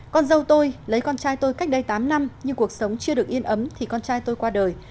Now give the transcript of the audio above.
con dâu tôi lấy con trai tôi cách đây tám năm nhưng cuộc sống chưa được yên ấm thì con trai tôi qua đời